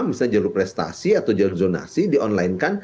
misalnya jalur prestasi atau jalur zonasi di online kan